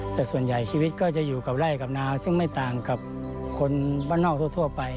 แต่ส่วนใหญ่ชีวิตก็จะอยู่กับไล่กับนาซึ่งไม่ต่างกับคนบ้านนอกทั่วไป